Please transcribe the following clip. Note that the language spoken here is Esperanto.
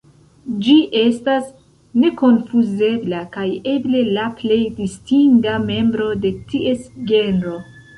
Ĝi estas nekonfuzebla kaj eble la plej distinga membro de ties genro.